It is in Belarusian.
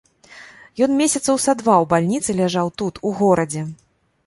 Ён месяцаў са два ў бальніцы ляжаў тут, у горадзе.